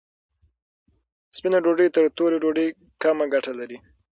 سپینه ډوډۍ تر تورې ډوډۍ کمه ګټه لري.